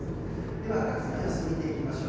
では各地の様子見ていきましょう